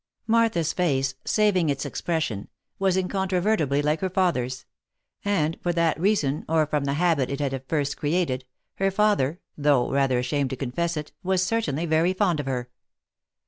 Martha's face (saving its ex pression), was incontrovertibly like her father's ; and, for that rea son, or from the habit it had at first created, her father, though rather ashamed to confess it, was certainly very fond of her.